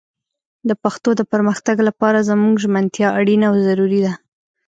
د پښتو د پرمختګ لپاره زموږ ژمنتيا اړينه او ضروري ده